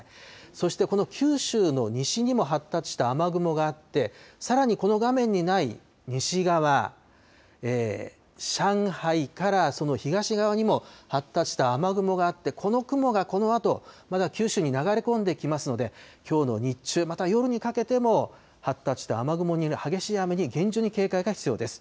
そしてこの九州の西にも発達した雨雲があって、さらにこの画面にない西側、上海からその東側にも発達した雨雲があって、この雲がこのあとまた九州に流れ込んできますので、きょうの日中、また夜にかけても発達した雨雲に、激しい雨に厳重に警戒が必要です。